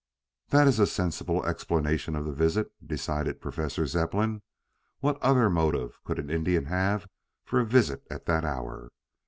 "That is a sensible explanation of the visit," decided Professor Zepplin. "What other motive could an Indian have for a visit at that hour?